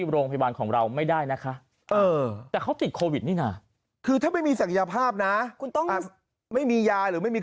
เรากลับมาว่าเขาไม่มีศักยภาพมีการระบาด